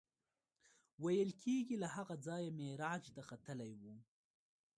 ویل کېږي له هغه ځایه معراج ته ختلی و.